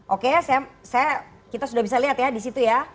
oke kita sudah bisa lihat ya disitu ya